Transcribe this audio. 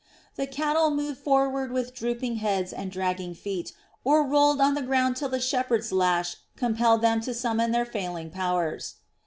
The cattle moved forward with drooping heads and dragging feet or rolled on the ground till the shepherds' lash compelled them to summon their failing powers.